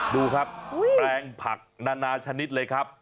ดูครับแปลงผักนานาชนิดเลยครับ